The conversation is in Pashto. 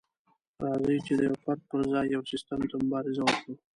راځئ چې د يوه فرد پر ځای يو سيستم ته مبارزه وکړو.